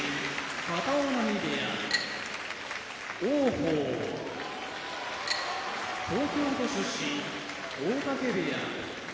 片男波部屋王鵬東京都出身大嶽部屋